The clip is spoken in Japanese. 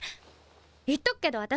言っとくけど私